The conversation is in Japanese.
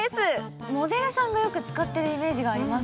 モデルさんがよく使っているイメージがあります。